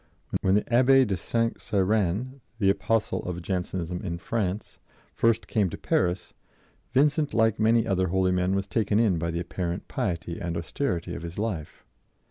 When the Abbé de St. Cyran, the apostle of Jansenism in France, first came to Paris, Vincent, like many other holy men, was taken in by the apparent piety and austerity of his life.